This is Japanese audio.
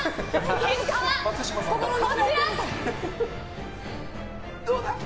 結果はこちら！